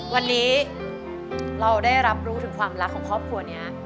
วันนี้เราได้รับรู้ถึงความรักของครอบครัวนี้